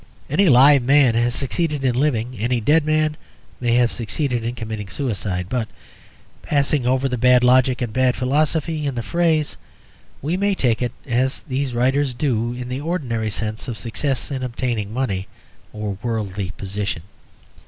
Any live man has succeeded in living; any dead man may have succeeded in committing suicide. But, passing over the bad logic and bad philosophy in the phrase, we may take it, as these writers do, in the ordinary sense of success in obtaining money or worldly position.